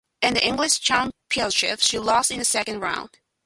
In the English championship she lost in the second round.